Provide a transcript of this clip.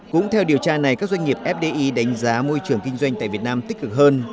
cũng theo điều tra này các doanh nghiệp fdi đánh giá môi trường kinh doanh tại việt nam tích cực hơn